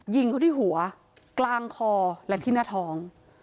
ยิงเขาที่หัวกลางคอและที่หน้าท้อง